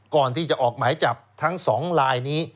ก่อนที่จะออกหมายจับทั้ง๒ลายนี้